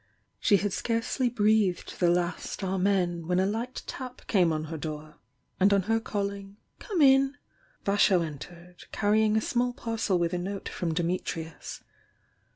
She had scarcely breathed the last "Amen," when a light tap came on her door, and on her calling "Come in" — Vasho entered, carrying a small parcel with a note from Dimitrius.